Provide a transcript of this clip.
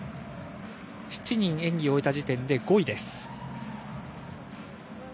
７人演技を終えた時点で５位です。